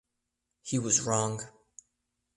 He was wrong.